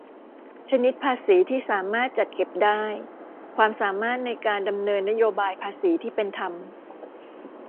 ชนิดภาษีที่สามารถจัดเก็บได้-ความสามารถในการดำเนินนโยบายภาษีที่เป็นธรรม